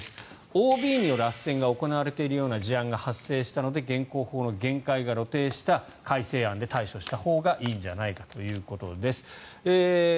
ＯＢによるあっせんが行われているような事案が発生したので現行法の限界が露呈した改正案で対処したほうがいいんじゃないかということです。